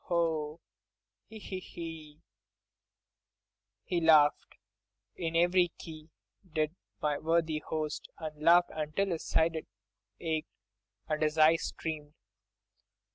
hohoho! hehehe!" He laughed in every key, did my worthy host, and laughed until his sides ached, and his eyes streamed.